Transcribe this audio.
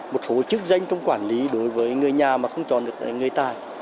bộ chức danh trong quản lý đối với người nhà mà không chọn được người tài